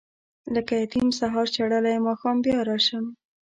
لکه یتیم سهار شړلی ماښام بیا راشم.